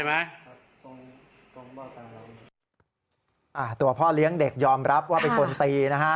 ตัวพ่อเลี้ยงเด็กยอมรับว่าเป็นคนตีนะฮะ